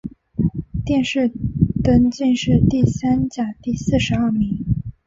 殿试登进士第三甲第四十二名。